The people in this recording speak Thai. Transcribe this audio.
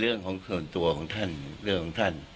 เรื่องของท่าน